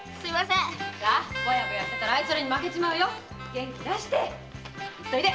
元気だして売っといで。